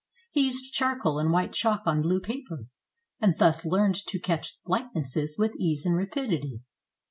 He used charcoal and white chalk on blue paper, and thus learned to catch likenesses with ease and rapidity.